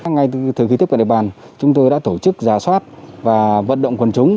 ngay từ khi tiếp cận đại bàn chúng tôi đã tổ chức giả soát và vận động quần chúng